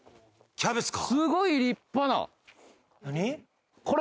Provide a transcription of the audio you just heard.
キャベツか？